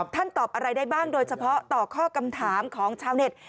ตอบอะไรได้บ้างโดยเฉพาะต่อข้อคำถามของชาวเน็ต